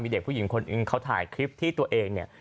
เด็กผู้หญิงคนหนึ่งเขาถ่ายคลิปที่ตัวเองเนี่ย